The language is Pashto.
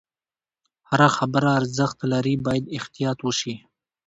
هره خبره ارزښت لري، باید احتیاط وشي.